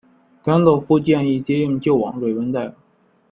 甘道夫建议接应救往瑞文戴尔。